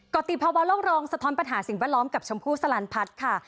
ติภาวะโลกรองสะท้อนปัญหาสิ่งแวดล้อมกับชมพู่สลันพัฒน์ค่ะ